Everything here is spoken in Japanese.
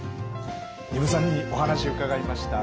丹生さんにお話伺いました。